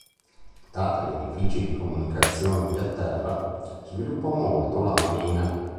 Date le difficili comunicazioni via terra sviluppò molto la marina.